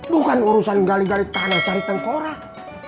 bukan urusan gali gali tanah cari tengkorak